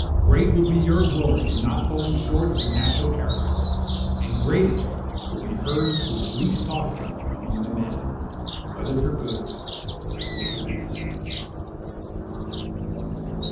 Great will be your glory in not falling short of your natural character; and greatest will be hers who is least talked of among the men, whether for good or for bad.